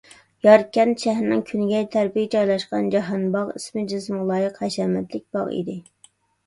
ياركەنت شەھىرىنىڭ كۈنگەي تەرىپىگە جايلاشقان جاھانباغ ئىسمى-جىسمىغا لايىق ھەشەمەتلىك باغ ئىدى.